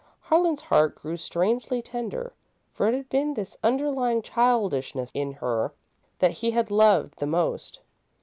Harlan's heart grew strangely tender, for it had been this underlying childishness in her that he had loved the most.